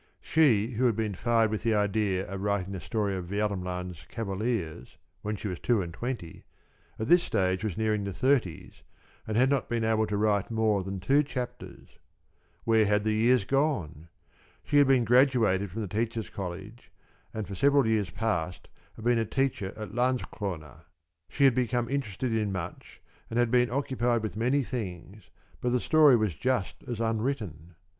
She who had been fired with the idea of writing the story of Vermland's Cavaliers when she was two and twenty, at this stage was nearing the thirties and had not been able to write more than two chapters. Where had the years gone? She had been graduated from the Teachers' College and for several years past had been a teacher at Landskrona. She had become interested in much and had been occupied with many things, but the story was just as unwritten.